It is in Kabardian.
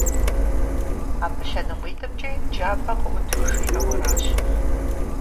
Абы лъэныкъуитӀымкӀи джабэ къыӀуту жиӀэу аращ.